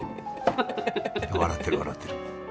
笑ってる笑ってる。